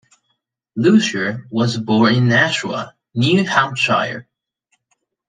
Lucier was born in Nashua, New Hampshire.